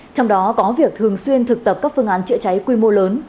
trong đó có việc thường xuyên thực tập các phương án chữa cháy quy mô lớn